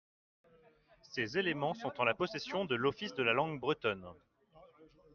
Ces éléments sont en la possession de l’Office de la Langue Bretonne.